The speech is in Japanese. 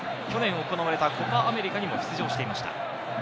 去年行われたコパ・アメリカにも出場していました。